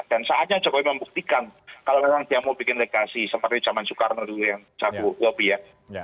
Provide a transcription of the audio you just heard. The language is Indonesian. dan saatnya jokowi membuktikan kalau memang dia mau bikin legasi seperti zaman soekarno dulu yang sabuk lobi ya